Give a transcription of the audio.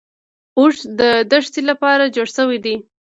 اوښ د دښتې لپاره جوړ شوی دی